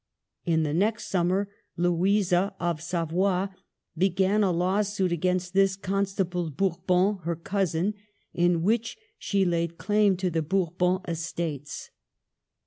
In the next summer Louisa of Savoy began a lawsuit against this Constable Bourbon, her cousin, in which she laid claim to the Bourbon estates.